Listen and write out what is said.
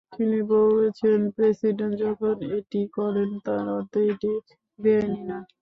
তিনি বলেছেন, প্রেসিডেন্ট যখন এটি করেন, তার অর্থ এটি বেআইনি নয়।